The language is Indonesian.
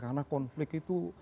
karena konflik itu